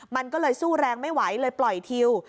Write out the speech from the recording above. มันก็เลยสู้แรงไม่ไหวเลยปล่อยทิว